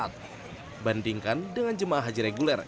kedua bandingkan dengan jemaah haji reguler